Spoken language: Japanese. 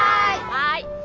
はい。